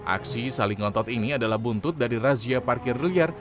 aksi saling ngontot ini adalah buntut dari razia parkir liar